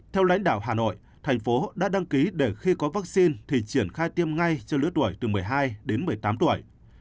theo lãnh đạo hà nội thành phố đã đăng ký để khi có vaccine thì triển khai tiêm ngay cho lứa tuổi từ một mươi hai đến một mươi tám tuổi